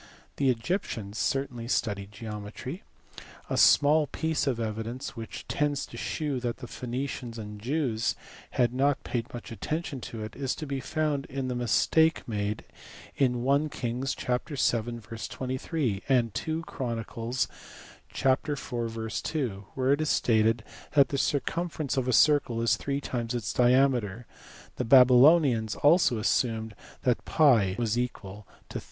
The Egyptians certainly studied geometry. A small piece of evidence which tends to shew that the Phoenicians and Jews had not paid much attention to it is to be found in the mistake made in /. Kings , ch. 7, v. 23, and //. Chronicles, ch. 4, v. 2, where it is stated that the circumference of a circle is three times its diameter : the Babylonians* also assumed that TT was equal to 3.